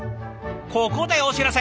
ここでお知らせ。